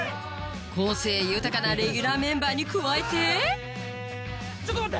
個性豊かなレギュラーメンバーに加えてちょっと待って！